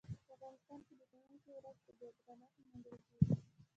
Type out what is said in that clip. په افغانستان کې د ښوونکي ورځ په ډیر درنښت لمانځل کیږي.